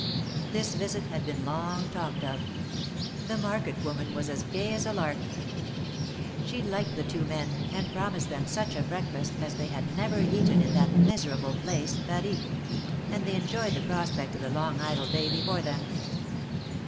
This visit had been long talked of. The market woman was as gay as a lark; she liked the two men, and promised them such a breakfast as they had never eaten in that "miserable place — Paris," and they enjoyed the prospect of the long idle day before them.